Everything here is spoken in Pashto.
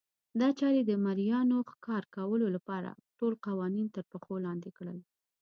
دا چارې د مریانو ښکار کولو لپاره ټول قوانین ترپښو لاندې کړل.